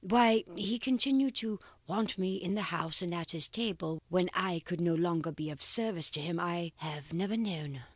Why he continued to want me in the house and at his table, when I could no longer be of service to him, I have never known.